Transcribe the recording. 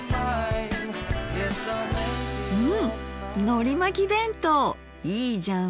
うんのりまき弁当いいじゃん。